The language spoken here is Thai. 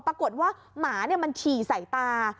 ปรากฏว่าหมามันฉี่ใส่ตา